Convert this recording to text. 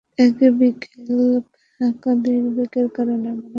এই বিবেকের কারণে মানুষ পশুর থেকে পৃথক সত্তা।